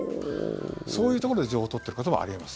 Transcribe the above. そういうところで情報を取っていることもあり得ます。